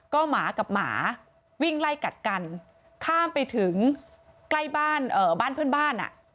ก็หมากับหมาวิ่งไล่กัดกันข้ามไปถึงใกล้บ้านบ้านเพื่อนบ้านอ่ะ